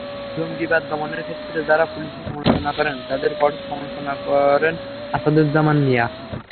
জঙ্গিবাদ দমনের ক্ষেত্রে যারা পুলিশের সমালোচনা করেন, তাঁদের কঠোর সমালোচনা করেন আছাদুজ্জামান মিয়া।